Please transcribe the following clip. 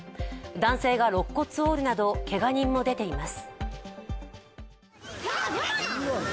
男性がろっ骨を折るなどけが人も出ています。